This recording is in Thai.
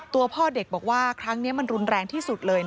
ตัวพ่อเด็กบอกว่าครั้งนี้มันรุนแรงที่สุดเลย